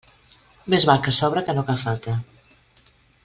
Més val que sobre que no que falte.